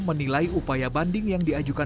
menilai upaya banding yang diajukan